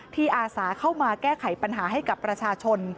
อาสาเข้ามาแก้ไขปัญหาให้กับประชาชน